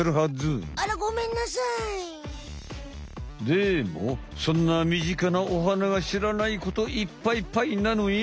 でもそんな身近なお花がしらないこといっぱいぱいなのよ！